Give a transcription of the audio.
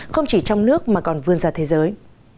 không chỉ trong nước mà còn vươn ra thế giới